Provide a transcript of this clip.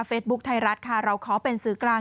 เฟซบุ๊กไทยรัฐค่ะเราขอเป็นสื่อกลาง